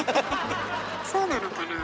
そうなのかなあ。